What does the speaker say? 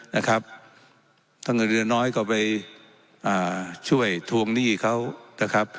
ถ้าเงินเดือนน้อยก็ไปช่วยทวงหนี้เขา